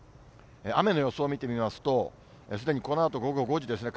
雨の予想を見てみますと、すでにこのあと午後５時ですね。